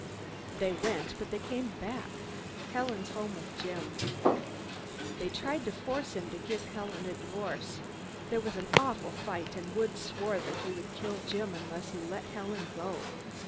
"They went, but they came back. Helen's home with Jim. They tried to force him to give Helen a divorce. There was an awful fight and Woods swore that he would kill Jim unless he let Helen go.